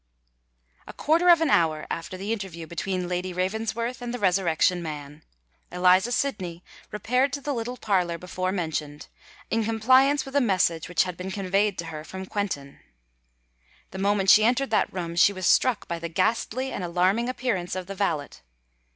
A quarter of an hour after the interview between Lady Ravensworth and the Resurrection Man, Eliza Sydney repaired to the little parlour before mentioned, in compliance with a message which had been conveyed to her from Quentin. The moment she entered that room she was struck by the ghastly and alarming appearance of the valet.